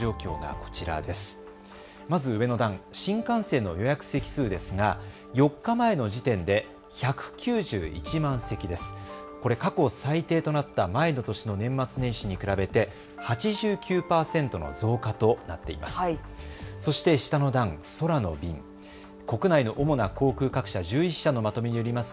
これ過去最低となった前の年の年末年始に比べて８９％の増加となっています。